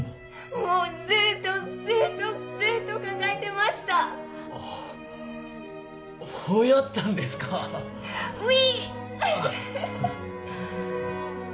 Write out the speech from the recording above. もうずっとずっとずっと考えてましたあッほうやったんですかウィ！